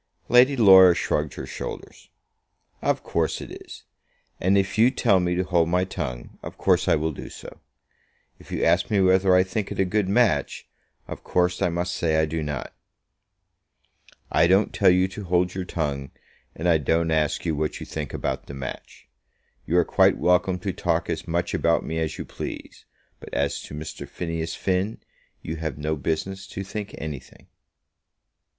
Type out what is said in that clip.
Lady Laura shrugged her shoulders. "Of course it is; and if you tell me to hold my tongue, of course I will do so. If you ask me whether I think it a good match, of course I must say I do not." "I don't tell you to hold your tongue, and I don't ask you what you think about the match. You are quite welcome to talk as much about me as you please; but as to Mr. Phineas Finn, you have no business to think anything."